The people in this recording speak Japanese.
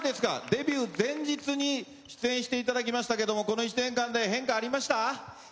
デビュー前日に出演していただきましたけどもこの１年間で変化ありました。